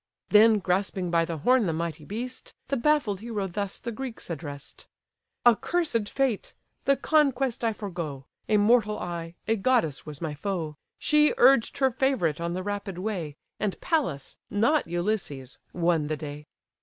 Then, grasping by the horn the mighty beast, The baffled hero thus the Greeks address'd: "Accursed fate! the conquest I forego; A mortal I, a goddess was my foe; She urged her favourite on the rapid way, And Pallas, not Ulysses, won the day."